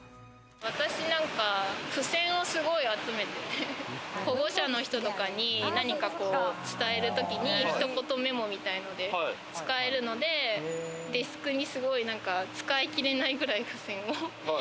私、付箋をすごく集めていて、保護者の人とかに何か伝える時にひと言メモみたいので使えるので、デスクにすごい使いきれないくらい付箋を。